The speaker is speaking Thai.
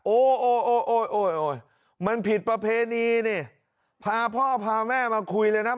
โอ้ยมันผิดประเพณีนี่พาพ่อพาแม่มาคุยเลยนะ